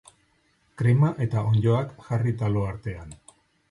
Krema eta onddoak jarri talo artean.